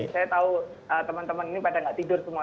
saya tahu teman teman ini pada nggak tidur semua